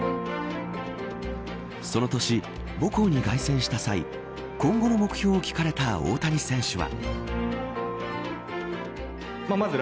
その年、母校に凱旋した際、今後の目標を聞かれた大谷選手は。